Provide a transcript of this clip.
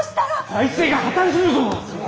財政が破綻するぞ！